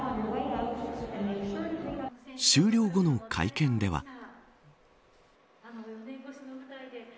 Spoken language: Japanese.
終了後の会見では。